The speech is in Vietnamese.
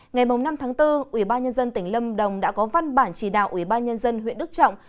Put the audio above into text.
ngày năm tháng bốn ubnd tỉnh lâm đồng đã có văn bản chỉ đạo ubnd huyện đức trọng